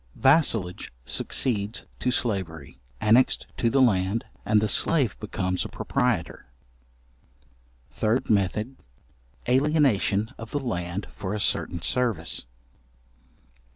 Vassalage succeeds to slavery, annexed to the land, and the slave becomes a proprietor. Third method; alienation of the land for a certain service.